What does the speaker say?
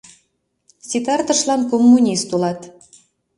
Ситартышлан коммунист улат.